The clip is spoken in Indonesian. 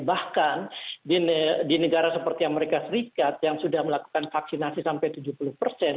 bahkan di negara seperti amerika serikat yang sudah melakukan vaksinasi sampai tujuh puluh persen